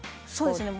そうです。